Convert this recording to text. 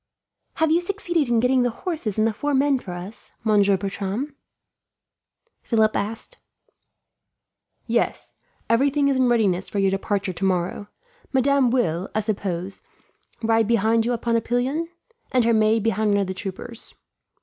"Have you succeeded in getting the horses and the four men for us, Monsieur Bertram?" Philip asked. "Yes, everything is in readiness for your departure tomorrow. Madame will, I suppose, ride behind you upon a pillion; and her maid behind one of the troopers.